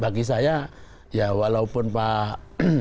jadi saya ya walaupun pak